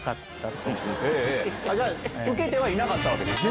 ウケてはいなかったわけですね？